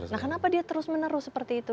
nah kenapa dia terus menerus seperti itu